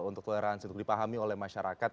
untuk toleransi untuk dipahami oleh masyarakat